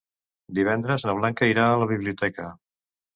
Divendres na Blanca irà a la biblioteca.